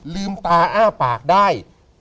ลืมตาอ้าปากได้